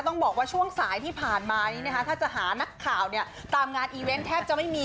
ต้องบอกว่าช่วงสายที่ผ่านมานี้นะคะถ้าจะหานักข่าวเนี่ยตามงานอีเวนต์แทบจะไม่มี